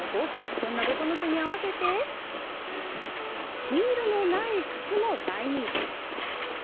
そんなボトムスに合わせてヒールのない靴も大人気。